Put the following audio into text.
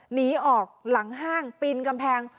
หนีออกหลังห้างปีนกำแพง